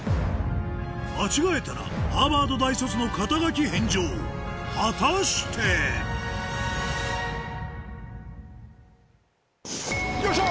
間違えたらハーバード大卒の肩書返上果たして⁉よっしゃ！